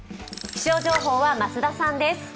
気象情報は増田さんです。